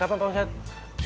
kapan pak ustadz